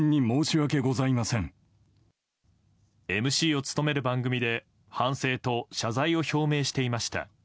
ＭＣを務める番組で反省と謝罪を表明していました。